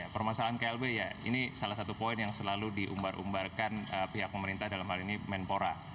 permasalahan klb ya ini salah satu poin yang selalu diumbar umbarkan pihak pemerintah dalam hal ini menpora